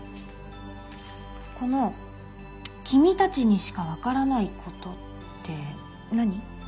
この「君たちにしかわからない」ことって何？